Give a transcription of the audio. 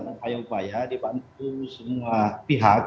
kami telah melakukan upaya upaya dibantu semua pihak